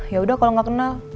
yaudah kalau gak kenal